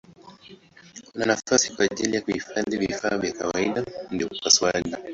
Kuna nafasi kwa ajili ya kuhifadhi vifaa vya kawaida vya upasuaji.